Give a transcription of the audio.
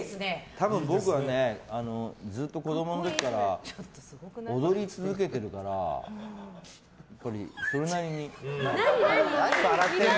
多分僕はねずっと子供の時から踊り続けてるからやっぱり、それなりに。